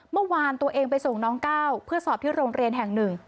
เมื่อวานตัวเองไปส่งน้องก้าวเพื่อสอบที่โรงเรียนแห่งหนึ่ง